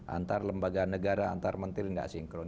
antar lembaga negara antar menteri tidak sinkron